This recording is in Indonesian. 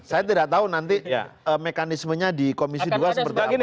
saya tidak tahu nanti mekanismenya di komisi dua seperti apa